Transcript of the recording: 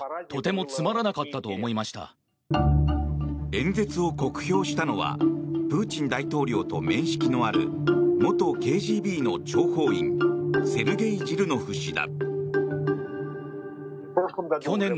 演説を酷評したのはプーチン大統領と面識のある元ＫＧＢの諜報員セルゲイ・ジルノフ氏だ。